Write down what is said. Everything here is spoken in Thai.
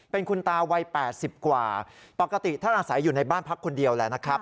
เป็นคุณตาวัย๘๐กว่าปกติท่านอาศัยอยู่ในบ้านพักคนเดียวแหละนะครับ